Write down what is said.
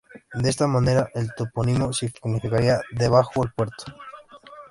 De esta manera el topónimo significaría "de bajo el Puerto".